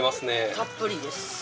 たっぷりです。